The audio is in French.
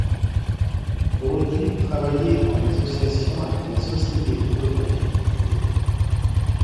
Brogi travaillait en association avec la Société photographique d'Italie.